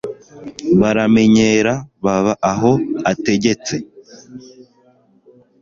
Baramenyera baba aho ategetse